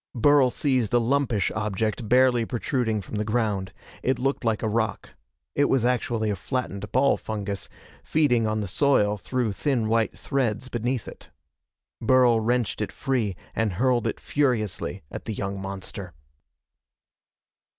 Burl seized a lumpish object barely protruding from the ground. It looked like a rock. It was actually a flattened ball fungus, feeding on the soil through thin white threads beneath it. Burl wrenched it free and hurled it furiously at the young monster.